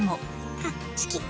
あっ好き！